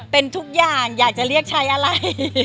เป็นทุกอย่างอยากจะเรียกใช้อะไร